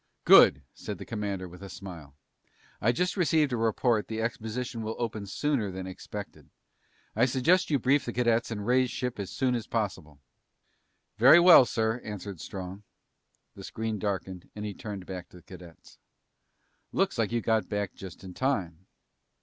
"Good," said the commander with a smile. "I just received a report the exposition will open sooner than expected. I suggest you brief the cadets and raise ship as soon as possible." "Very well, sir," answered Strong. The screen darkened and he turned back to the cadets. "Looks like you got back just in time."